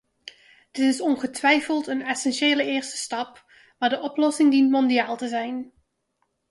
Dit is ongetwijfeld een essentiële eerste stap, maar de oplossing dient mondiaal te zijn.